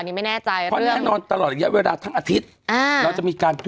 วันนี้รถติดเนอะรถติดแล้วอ่อน